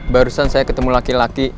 barusan saya ketemu laki laki